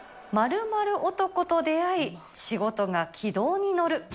○○男と出会い、仕事が軌道に乗る。